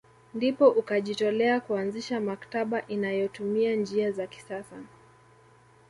Ndipo ukajitolea kuanzisha maktaba inayotumia njia za kisasa